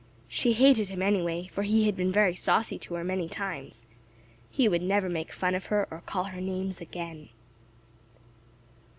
She hated him, anyway, for he had been very saucy to her many times. He would never make fun of her or call her names again.